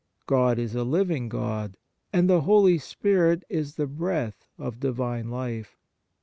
God is a living God, and the Holy Spirit is the breath of Divine life.